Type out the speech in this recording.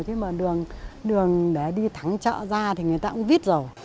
thế mà đường để đi thắng chợ ra thì người ta cũng vít rồi